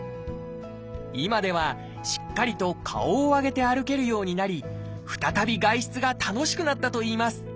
今ではしっかりと顔を上げて歩けるようになり再び外出が楽しくなったといいます。